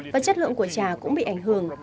và chất lượng của trà sẽ bị ảnh hưởng